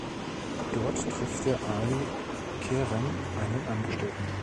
Dort trifft er Ali Kerem, einen Angestellten.